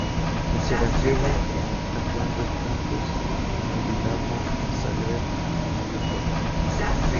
El Sarajevo aventajó en dos puntos al Dinamo Zagreb al final del torneo.